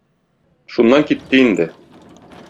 Шуннан китте инде...